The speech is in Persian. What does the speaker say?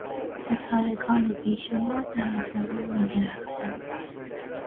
ستارگان بیشمار در آسمان میدرخشند.